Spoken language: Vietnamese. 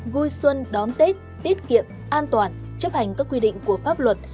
vui xuân đón tết tiết kiệm an toàn chấp hành các quy định của pháp luật